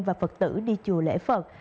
và phật tử đi chùa lễ phật